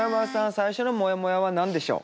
最初のもやもやは何でしょう。